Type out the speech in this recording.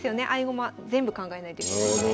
全部考えないといけないので。